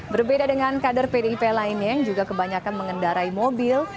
berbeda dengan kader pdip lainnya yang juga kebanyakan mengendarai mobil